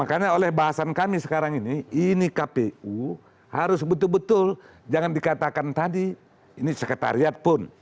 makanya oleh bahasan kami sekarang ini ini kpu harus betul betul jangan dikatakan tadi ini sekretariat pun